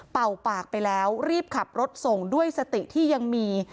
ปากไปแล้วรีบขับรถส่งด้วยสติที่ยังมี